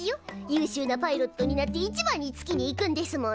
優秀なパイロットになっていちばんに月に行くんですもの。